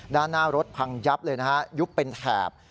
ด้านหน้ารถพังยับเลยนะฮะยุบเป็นแถบ